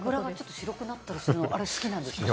白くなったりするのも好きなんですけどね。